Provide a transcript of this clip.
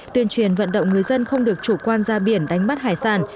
tuyên truyền vận động người dân không được chủ quan ra biển đánh bắt hải sản